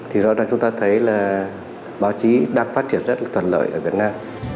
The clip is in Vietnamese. thì rõ ràng chúng ta thấy là báo chí đang phát triển rất là thuận lợi ở việt nam